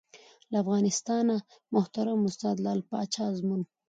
له افغانستانه محترم استاد لعل پاچا ازمون